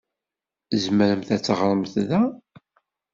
Tzemremt ad teɣṛemt da.